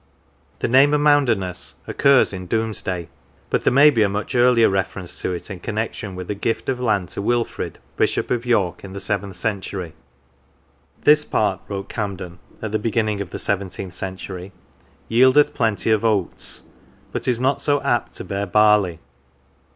The name Amounderness occurs in Domesday, but there may be a much earlier reference to it in connection with a gift of land to Wilfrid, bishop of York, in the seventh century. " This part," wrote Camden in the beginning of the seventeenth century, " yieldeth plenty of oats, but is not so apt to bear barley.